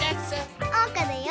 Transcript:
おうかだよ！